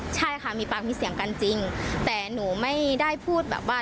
ใช่ค่ะมีปากมีเสียงกันจริงแต่หนูไม่ได้พูดแบบว่า